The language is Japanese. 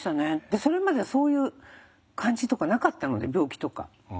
それまではそういう感じとかなかったので病気とか。